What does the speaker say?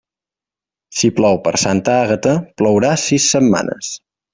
Si plou per Santa Àgata, plourà sis setmanes.